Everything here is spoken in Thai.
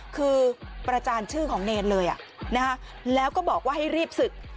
คือประจานชื่อของเนรเลยแล้วก็บอกว่าให้รีบศึก